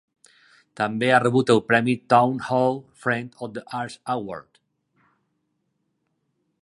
També ha rebut el premi Town Hall Friend of the Arts Award.